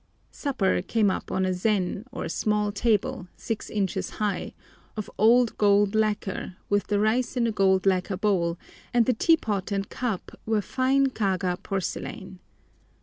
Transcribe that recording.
Supper came up on a zen, or small table six inches high, of old gold lacquer, with the rice in a gold lacquer bowl, and the teapot and cup were fine Kaga porcelain.